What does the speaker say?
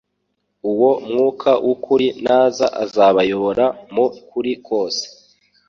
Uwo mwuka w'ukuri naza azabayobora mu kuri kose,